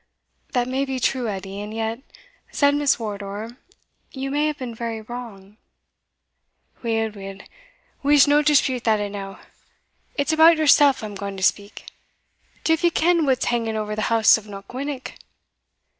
"That may be true, Edie, and yet," said Miss Wardour, "you may have been very wrong." "Weel, weel, we'se no dispute that e'ennow it's about yoursell I'm gaun to speak. Div ye ken what's hanging ower the house of Knockwinnock?"